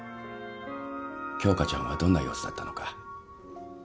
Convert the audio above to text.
鏡花ちゃんはどんな様子だったのか。